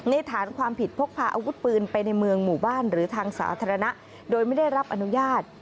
ฐานความผิดพกพาอาวุธปืนไปในเมืองหมู่บ้านหรือทางสาธารณะโดยไม่ได้รับอนุญาต